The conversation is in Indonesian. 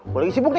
gue lagi sibuk nih